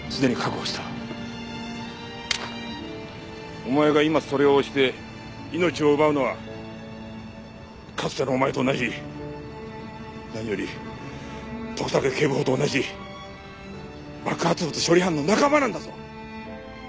お前が今それを押して命を奪うのはかつてのお前と同じ何より徳武警部補と同じ爆発物処理班の仲間なんだぞ！